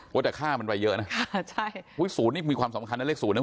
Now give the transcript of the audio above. แต่ค่ามันไว้เยอะนะใช่อุ้ยศูนย์นี่มีความสำคัญนะเลข๐นะ